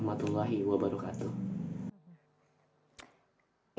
terima kasih assalamu'alaikum warahmatullahi wabarakatuh